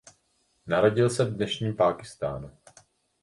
Narodil se v dnešním Pákistánu.